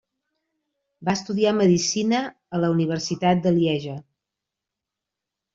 Va estudiar medicina a la Universitat de Lieja.